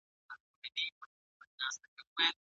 یوازې حق تلپاتی وي.